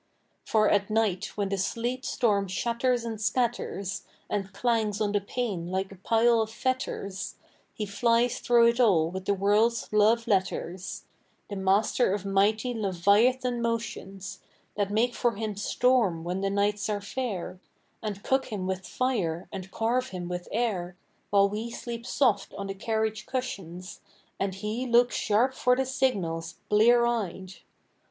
For at night when the sleet storm shatters and scatters, And clangs on the pane like a pile of fetters, He flies through it all with the world's love letters: The master of mighty leviathan motions, That make for him storm when the nights are fair, And cook him with fire and carve him with air, While we sleep soft on the carriage cushions, And he looks sharp for the signals, blear eyed.